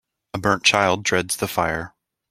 A burnt child dreads the fire.